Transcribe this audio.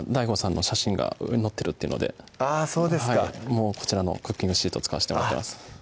もうこちらのクッキングシート使わしてもらってます